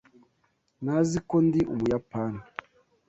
Ntazi ko ndi Umuyapani.